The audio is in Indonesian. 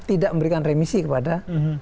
tidak memberikan remisi kepada